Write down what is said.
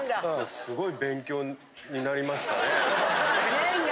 すごい勉強になりましたね。